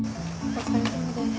お疲れさまです。